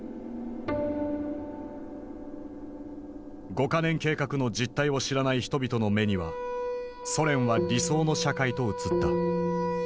五か年計画の実態を知らない人々の目にはソ連は理想の社会と映った。